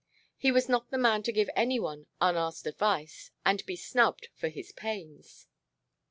He was not the man to give any one unasked advice and be snubbed for his pains.